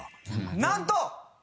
なんと！